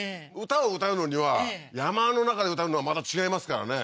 歌を歌うのには山の中で歌うのはまた違いますからね